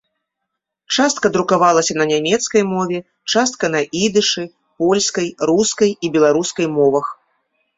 Частка друкавалася на нямецкай мове, частка на ідышы, польскай, рускай і беларускай мовах.